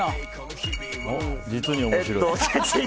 実に面白い！